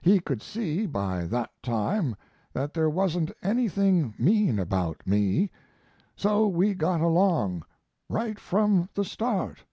He could see by that time that there wasn't anything mean about me; so we got along, right from the start.